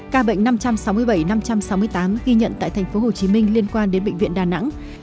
ca bệnh năm trăm sáu mươi bảy năm trăm sáu mươi tám ghi nhận tại tp hcm liên quan đến bệnh viện đà nẵng